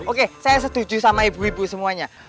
oke saya setuju sama ibu ibu semuanya